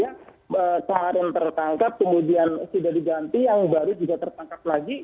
yang kemarin tertangkap kemudian sudah diganti yang baru juga tertangkap lagi